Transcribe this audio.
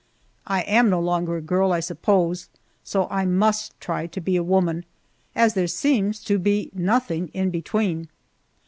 I am no longer a girl, I suppose, so I must try to be a woman, as there seems to be nothing in between.